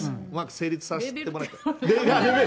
成立させてもらいたい。